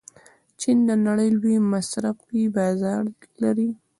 چین د نړۍ لوی مصرفي بازار لري.